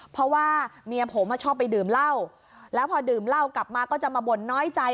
เพราะว่าเมียผมชอบไปดื่มเหล้าแล้วพอดื่มเหล้ากลับมาก็จะมาบ่นน้อยใจ